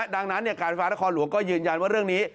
ดังนั้นการฟ้านครหลวงก็ยืนยันว่าเรื่องนี้